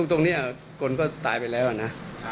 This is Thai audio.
ตรงนี้คนก็ตายไปแล้วนะ